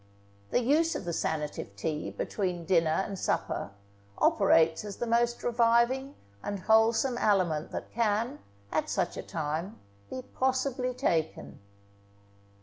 The use of the sanative tea between dinner and supper operates as the most reviving and wholesome aliment that can, at such a time, be possibly taken.